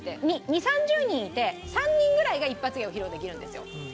２０３０人いて３人ぐらいが一発芸を披露できるんですよ。